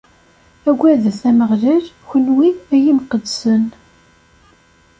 Aggadet Ameɣlal, kunwi, a imqeddsen!